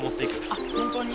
あっ本当に？